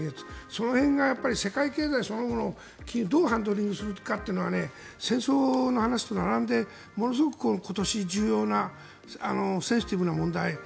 その辺が世界経済そのものをどうハンドリングするかは戦争の話と並んでものすごく今年、重要なセンシティブな問題。